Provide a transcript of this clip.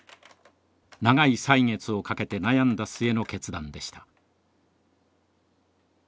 長い歳月をかけて悩んだ末の決断でした。